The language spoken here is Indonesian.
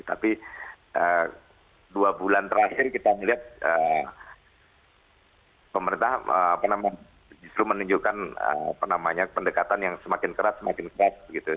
tapi dua bulan terakhir kita melihat pemerintah justru menunjukkan pendekatan yang semakin keras semakin keras begitu